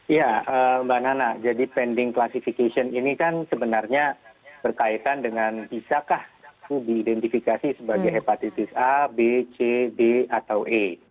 ya mbak nana jadi pending classification ini kan sebenarnya berkaitan dengan bisakah itu diidentifikasi sebagai hepatitis a b c d atau e